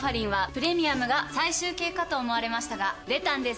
プレミアムが最終形かと思われましたが出たんです